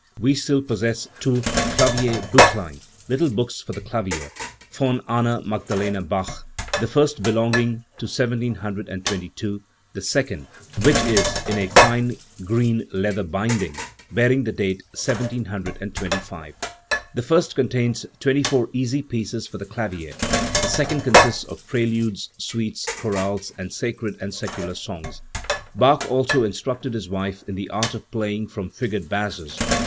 We still possess two Kl&vierbuchlein [Little Books for the Clavier] von Anna Magdalena Bach, the first belonging to 1722, the second, which is in a fine green leather binding bearing the date 1725. The first contains twenty four easy pieces for the clavier; the second consists of preludes, suites, chorales, and sacred and secular songs. Bach also instructed his wife in the art of playing from figured basses.